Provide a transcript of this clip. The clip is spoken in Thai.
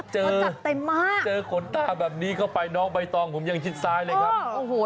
เจอขนตาแบบนี้เข้าไปน้องใบตองผมยังชิดซ้ายเลยครับ